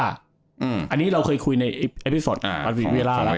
อันนี้เราเคยคุยในแอปพิบาห์อ่าครับเรื่อยไปแล้ว